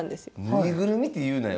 ぬいぐるみって言うなよ